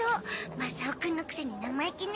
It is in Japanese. マサオくんのくせに生意気ね。